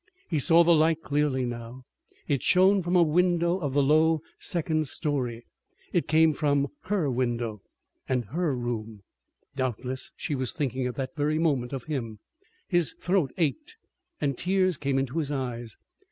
He saw the light clearly now. It shone from a window of the low second story. It came from her window and her room. Doubtless she was thinking at that very moment of him. His throat ached and tears came into his eyes.